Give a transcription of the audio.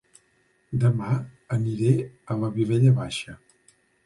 Dema aniré a La Vilella Baixa